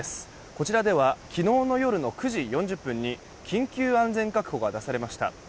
こちらでは昨日の夜の９時４０分に緊急安全確保が出されました。